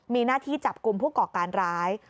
มีหน้าที่จับกลุ่มผู้ก่อการร้าย